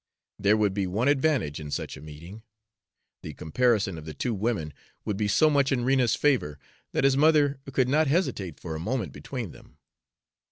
There would be one advantage in such a meeting: the comparison of the two women would be so much in Rena's favor that his mother could not hesitate for a moment between them.